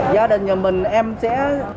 gia đình nhà mình em sẽ